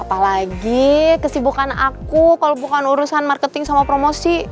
apalagi kesibukan aku kalau bukan urusan marketing sama promosi